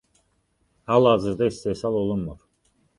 Hal hazırda istehsal olunmur.